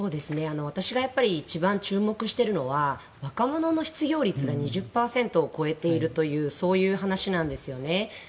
私が一番注目しているのが若者の失業率が２０％を超えているという話なんですよね。